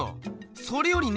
それよりね